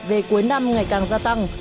về cuối năm ngày càng gia tăng